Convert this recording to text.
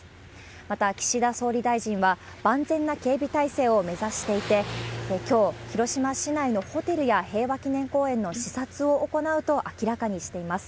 また、岸田総理大臣は万全な警備態勢を目指していて、きょう、広島市内のホテルや平和記念公園の視察を行うと明らかにしています。